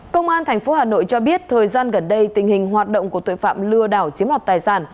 công an tp hà nội cho biết thời gian gần đây tình hình hoạt động của tội phạm lừa đảo chiếm hoạt tài sản